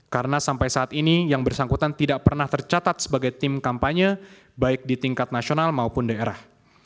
karena sampai saat ini yang bersangkutan tidak pernah tercatat sebagai tim kampanye baik di tingkat nasional maupun daerah